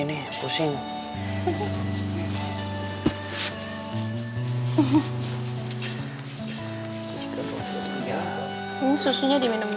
tapi gurih gurih nikmat